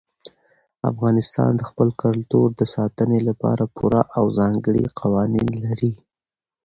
افغانستان د خپل کلتور د ساتنې لپاره پوره او ځانګړي قوانین لري.